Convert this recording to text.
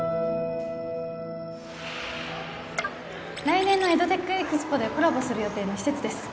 来年のエドテックエキスポでコラボする予定の施設です